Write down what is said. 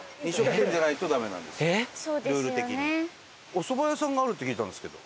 お蕎麦屋さんがあるって聞いたんですけど。